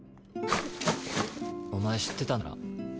お前知ってたんだな？